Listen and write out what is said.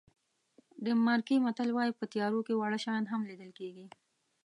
ډنمارکي متل وایي په تیارو کې واړه شیان هم لیدل کېږي.